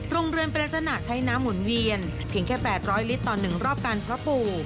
โรงเรือนเป็นลักษณะใช้น้ำหมุนเวียนเพียงแค่๘๐๐ลิตรต่อ๑รอบการเพาะปลูก